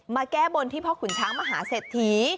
แก้บนที่พ่อขุนช้างมหาเศรษฐี